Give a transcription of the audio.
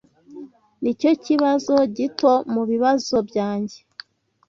Nicyo kibazo gito mubibazo byanjye.